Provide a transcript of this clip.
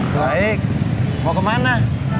baik mau kemana